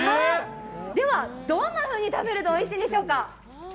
では、どんなふうに食べるとおいしいんでしょうか。